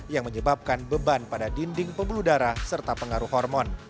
yang menyebabkan beban pada dinding pembuluh darah serta pengaruh hormon